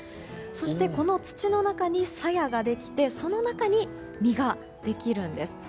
そして、土の中にさやができてその中に、実ができるんです。